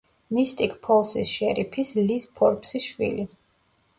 მისტიკ-ფოლსის შერიფის, ლიზ ფორბსის შვილი.